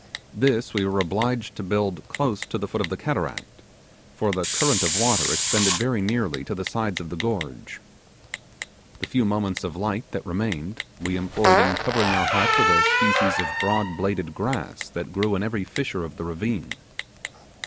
This we were obliged to build close to the foot of the cataract, for the current of water extended very nearly to the sides of the gorge. The few moments of light that remained we employed in covering our hut with a species of broad bladed grass that grew in every fissure of the ravine.